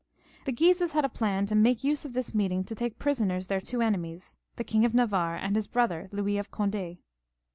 The Guises had a plan to make use of this meeting to take prisoners their two enemies, the King of Navarre and his brother Louis of Cond^.